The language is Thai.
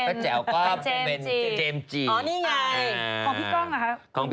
พี่แจ๋วก็เป็นเจมซ์จี้อ๋อนี่ไงอะพี่ก้องอะไร